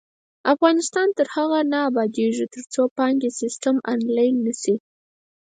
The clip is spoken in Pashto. افغانستان تر هغو نه ابادیږي، ترڅو بانکي سیستم آنلاین نشي.